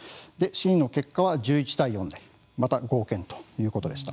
審理の結果は１１対４でまた合憲ということでした。